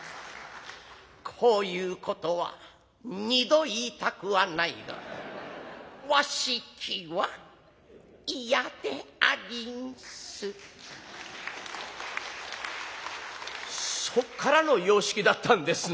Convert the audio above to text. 「こういうことは２度言いたくはないが『和式は嫌でありんす』」。「そっからの洋式だったんですね。